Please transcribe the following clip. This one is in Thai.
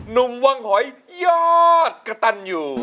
หนุ่มวังหอยยอดกระตันอยู่